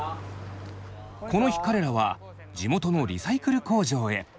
この日彼らは地元のリサイクル工場へ。